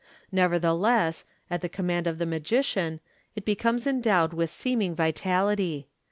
Nevertheless, at the command of the magician, it becomes endowed with seeming vitality.